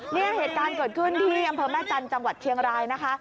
เหตุการณ์เกิดขึ้นที่อำเภอแม่จันทร์จังหวัดเชียงรายนะคะ